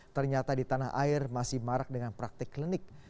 ternyata di tanah air masih marak dengan praktik klinik